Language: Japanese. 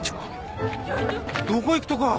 どこ行くとか！？